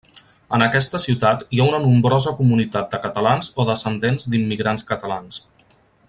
En aquesta ciutat hi ha una nombrosa comunitat de catalans o descendents d'immigrants catalans.